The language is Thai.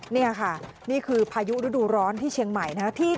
นี่ค่ะนี่คือพายุฤดูร้อนที่เชียงใหม่นะครับ